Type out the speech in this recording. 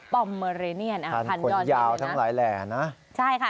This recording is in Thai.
อมเมอเรเนียนนะคะคนยาวทั้งหลายแหล่นะใช่ค่ะ